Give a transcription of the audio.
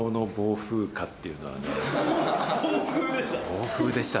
暴風雨でした？